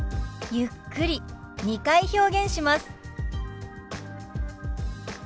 ゆっくり２回表現します。